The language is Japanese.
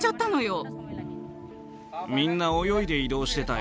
みんな泳いで移動してたよ。